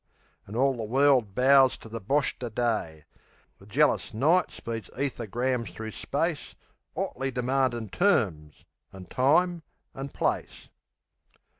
And all the world bows to the Boshter Day. The jealous Night speeds ethergrams thro' space 'Otly demandin' terms, an' time, an' place.